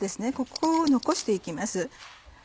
ここを残して行きます。